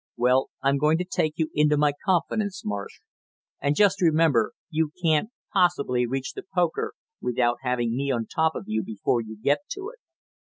Well, I'm going to take you into my confidence, Marsh, and just remember you can't possibly reach the poker without having me on top of you before you get to it!